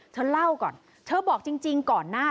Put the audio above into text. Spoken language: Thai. เธอเล่าก่อนเธอบอกจริงก่อนหน้า